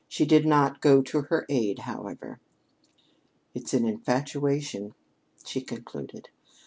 She did not go to her aid, however. "It's an infatuation," she concluded.